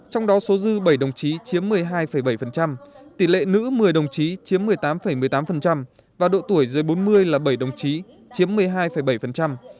trong đó số dư bảy đồng chí chiếm một mươi hai bảy tỷ lệ nữ một mươi đồng chí chiếm một mươi tám một mươi tám và độ tuổi dưới bốn mươi là bảy đồng chí chiếm một mươi hai bảy